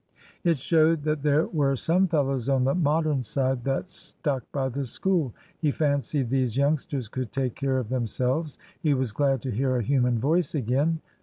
It showed that there were some fellows on the Modern side that stuck by the School. He fancied these youngsters could take care of themselves. He was glad to hear a human voice again.